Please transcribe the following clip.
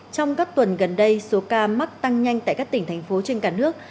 trong các tuần gần đây số ca mắc tăng nhanh tại các tỉnh thành phố trên cả nước